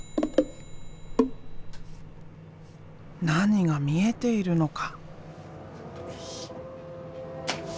何が見えているのか？